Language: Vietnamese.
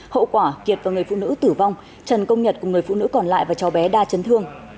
hậu quả kiệt và người phụ nữ tử vong trần công nhật cùng người phụ nữ còn lại và cháu bé đa chấn thương